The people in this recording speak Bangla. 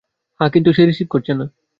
হ্যাঁ, কিন্তু সে রিসিভ করছে না।